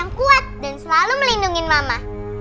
yang kuat dan selalu melindungi mama